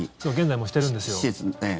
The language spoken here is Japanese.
現在もしてるんですよ。